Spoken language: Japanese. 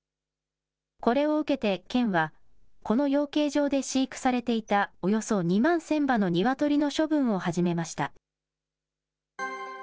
これを受けて県は、この養鶏場で飼育されていたおよそ２万１０００羽のニワトリの処分を始めました。